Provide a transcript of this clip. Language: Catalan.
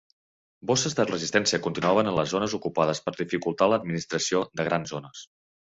Bosses de resistència continuaven en les zones ocupades per dificultar l'administració de grans zones.